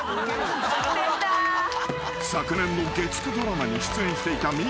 ［昨年の月９ドラマに出演していた］